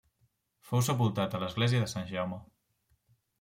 Fou sepultat a l'església de Sant Jaume.